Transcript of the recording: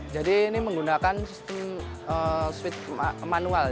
jadi ini menggunakan sistem switch manual